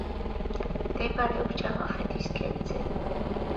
მდებარეობს ჯავახეთის ქედზე.